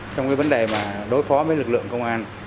trong cái vấn đề mà đối phó với lực lượng công an